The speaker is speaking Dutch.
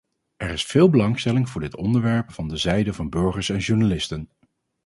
Er is veel belangstelling voor dit onderwerp van de zijde van burgers en journalisten.